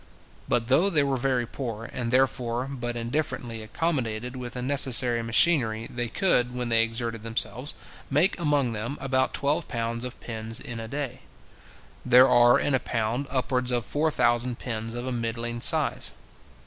But though they were very poor, and therefore but indifferently accommodated with the necessary machinery, they could, when they exerted themselves, make among them about twelve pounds of pins in a day. There are in a pound upwards of four thousand pins of a middling size.